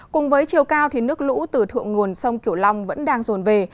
cùng với chiều cao thì nước lũ từ thượng nguồn sông kiểu long vẫn đang dồn về